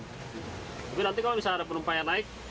tapi nanti kalau misalnya ada penumpang yang naik